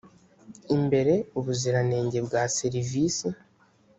imbere ubuziranenge bwa serivisi